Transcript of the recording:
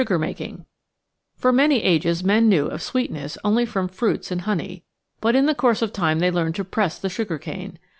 The Chemist as Creator 753 Sugar making For many ages men knew of sweetness only from fruits and honey, but in the course of time they learned to press the sugar cane.